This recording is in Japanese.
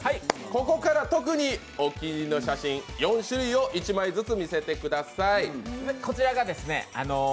ここから特にお気に入りの写真、４種類を１枚ずつみせてください！